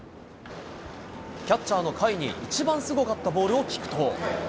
キャッチャーの甲斐に、一番すごかったボールを聞くと。